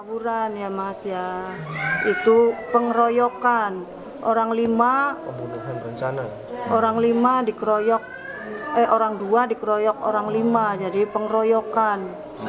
orang dua dikroyok orang lima jadi pengroyokan